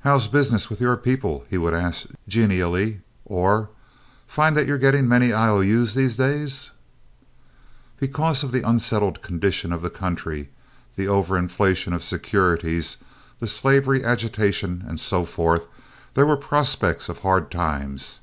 "How's business with you people?" he would ask, genially; or, "Find that you're getting many I.O.U.'s these days?" Because of the unsettled condition of the country, the over inflation of securities, the slavery agitation, and so forth, there were prospects of hard times.